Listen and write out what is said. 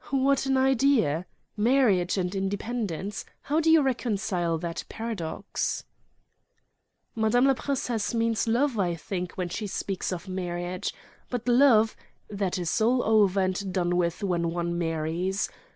"What an idea! Marriage and independence: how do you reconcile that paradox?" "Madame la princesse means love, I think, when she speaks of marriage. But love—that is all over and done with when one marries.